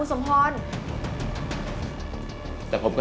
แต่ผมก็เห็นว่าคุณแป๋วค่ะ